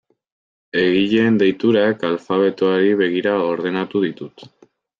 Egileen deiturak alfabetoari begira ordenatu ditut.